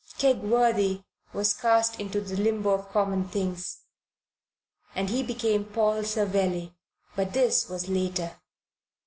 Kegworthy was cast into the limbo of common things, and he became Paul Savelli. But this was later.